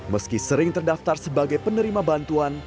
meski sering terdaftar sebagai penerima bantuan